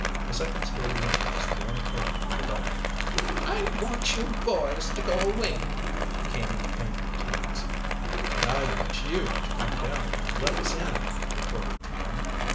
A second story window was thrown open with a bang. "I want you boys to go away!" came in angry tones. "And I want you to come down and let us in," retorted Tom.